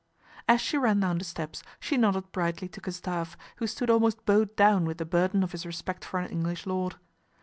As she ran down the steps she nodded brightly to Gustave, who stood almost bowed down with the burden of his respect for an English lord.